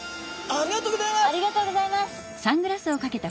ありがとうございます。